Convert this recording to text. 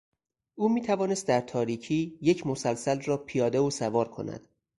او میتوانست در تاریکی یک مسلسل را پیاده و سوار کند.